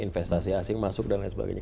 investasi asing masuk dan lain sebagainya